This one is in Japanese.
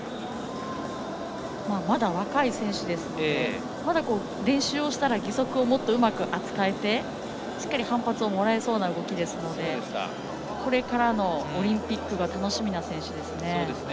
まだ若い選手ですので練習をしたら義足をもっとうまく扱えてしっかり反発をもらえそうなのでこれからのオリンピックが楽しみな選手ですね。